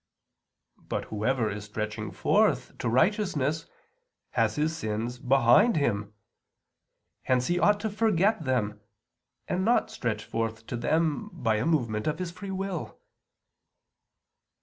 But whoever is stretching forth to righteousness has his sins behind him. Hence he ought to forget them, and not stretch forth to them by a movement of his free will.